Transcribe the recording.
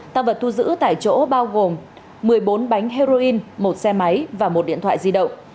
tăng vật thu giữ tại chỗ bao gồm một mươi bốn bánh heroin một xe máy và một điện thoại di động